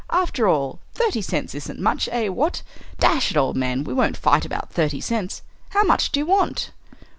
After all, thirty cents isn't much, eh what? Dash it, old man, we won't fight about thirty cents. How much do you want?"